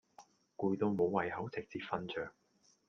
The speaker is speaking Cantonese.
攰到無胃口直接瞓著